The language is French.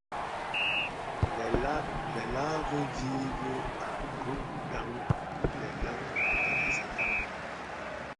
Les larves vivent en groupe dans les lacs et les étangs.